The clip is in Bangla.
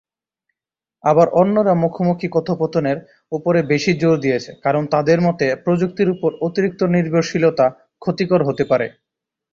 আবার অন্যরা মুখোমুখি কথোপকথনের উপরে বেশি জোর দিয়েছেন কারণ তাদের মতে প্রযুক্তির উপর অতিরিক্ত নির্ভরশীলতা ক্ষতিকর হতে পারে।